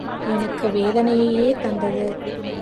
எனக்கு வேதனையையே தந்தது.